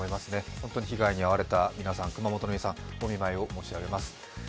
本当に被害に遭われた皆さん熊本の皆さん、お見舞いを申し上げます。